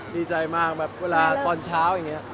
ดีใจมากแบบเวลาตอนเช้าอย่างนี้